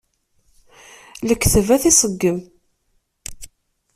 Lekdeb ad t-iseggem.